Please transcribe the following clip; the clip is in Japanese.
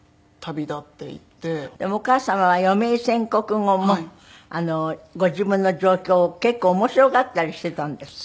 でもお母様は余命宣告後もご自分の状況を結構面白がったりしていたんですって？